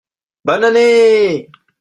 Bonne année !